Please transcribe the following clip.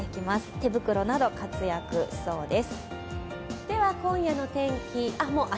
手袋など活躍しそうです。